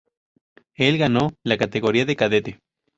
Él ganó la categoría de cadete.